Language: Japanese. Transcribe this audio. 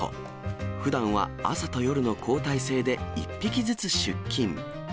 ふだんは朝と夜の交代制で１匹ずつ出勤。